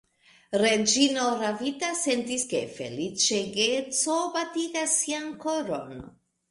Reĝino ravita sentis, ke feliĉegeco batigas sian koron.